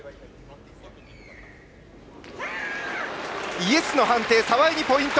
イエスの判定、澤江にポイント。